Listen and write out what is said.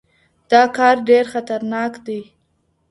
دا کار ډېر خطرناک دی.